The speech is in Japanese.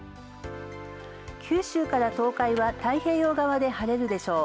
九州から東海は太平洋側で晴れるでしょう。